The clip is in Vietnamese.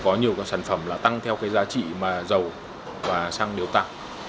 có nhiều cái sản phẩm là tăng theo cái giá trị mà dầu và xăng đều tăng